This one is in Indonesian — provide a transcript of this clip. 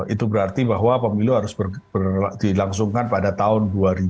itu berarti bahwa pemilu harus dilangsungkan pada tahun dua ribu dua puluh